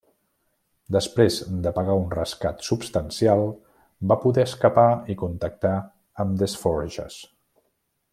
Després de pagar un rescat substancial, va poder escapar i contactà amb Des Forges.